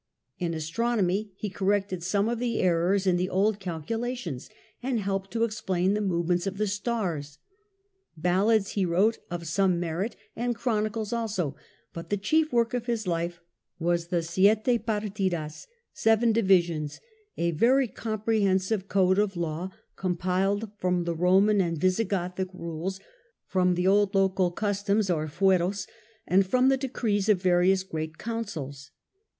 In astronomy he corrected some of the errors in the old calculations and helped to explain the movements of the stars ; ballads he wrote of some merit and chronicles also ; but the chief work of his life was the Siete Partidas (seven divisions), a very comprehensive code of law compiled from the Roman and Visigothic rules, THE SPANISH PENINSULA 245 from the old local customs or fueros, and from the de crees of various great Councils.